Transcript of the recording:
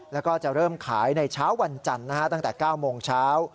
แล้วก็จะเริ่มขายในเช้าวันจันทร์ตั้งแต่๙โมงเช้า